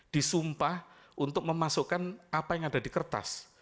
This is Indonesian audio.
disumpah untuk memasukkan apa yang ada di kertas